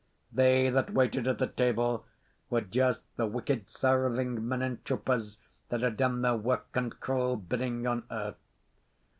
They that waited at the table were just the wicked serving men and troopers that had done their work and cruel bidding on earth.